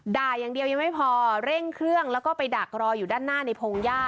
ด่าอย่างเดียวยังไม่พอเร่งเครื่องแล้วก็ไปดักรออยู่ด้านหน้าในพงหญ้า